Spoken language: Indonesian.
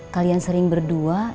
kalian sering berdua